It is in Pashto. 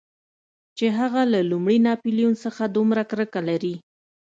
چې هغه له لومړي ناپلیون څخه دومره کرکه لري.